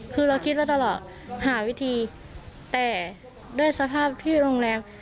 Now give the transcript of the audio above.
คือเราคิดไว้ตลอดหาวิธีแต่ด้วยสภาพที่โรงแรม